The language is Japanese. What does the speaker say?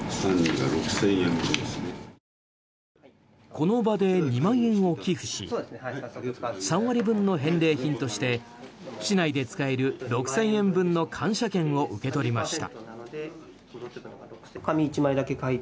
この場で２万円を寄付し３割分の返礼品として市内で使える６０００円分の感謝券を受け取りました。